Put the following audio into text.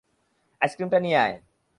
আইসক্রিমটা নিয়ে আয়!